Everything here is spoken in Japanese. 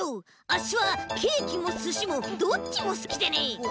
あっしはケーキもすしもどっちもすきでねえ。